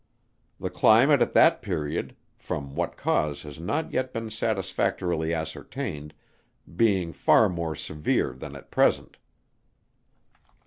The climate at that period (from what cause has not yet been satisfactorily ascertained) being far more severe than at present.